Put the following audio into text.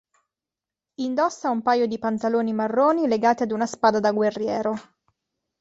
Indossa un paio di pantaloni marroni legati ad una spada da guerriero.